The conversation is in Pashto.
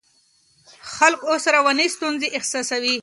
خلک اوس رواني ستونزې احساسوي.